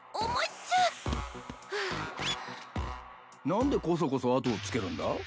何でコソコソ後をつけるんだ？